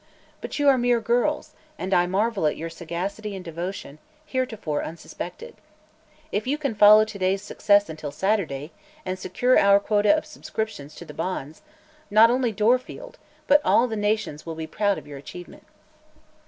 But you are mere girls, and I marvel at your sagacity and devotion, heretofore unsuspected. If you can follow to day's success until Saturday, and secure our quota of subscriptions to the bonds, not only Dorfield but all the nation will be proud of your achievement."